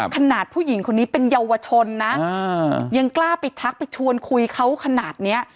ผู้หญิงคนนี้เป็นเยาวชนนะยังกล้าไปทักไปชวนคุยเขาขนาดเนี้ย